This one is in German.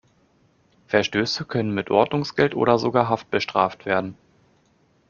Verstöße können mit Ordnungsgeld oder sogar Haft bestraft werden.